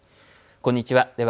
こんにちは。